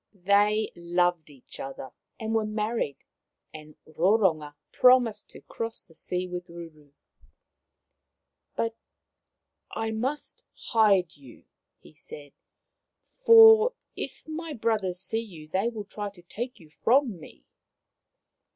They loved each other and were married, and Roronga promised to cross the sea with Ruru. " But I must hide you,'* he said, " for if my brothers see you they will try to take you from me.